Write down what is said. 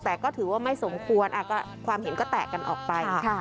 แต่ก็ถือว่าไม่สมควรความเห็นก็แตกกันออกไป